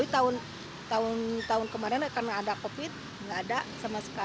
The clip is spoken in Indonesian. tahun tahun kemarin karena ada covid nggak ada sama sekali